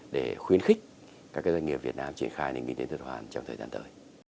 để khuyến khích các cái doanh nghiệp việt nam triển khai nền kinh tế tư đoàn hoàn trong thời gian tới